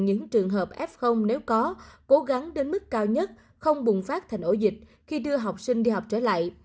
những trường hợp f nếu có cố gắng đến mức cao nhất không bùng phát thành ổ dịch khi đưa học sinh đi học trở lại